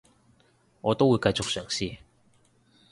我都會繼續嘗試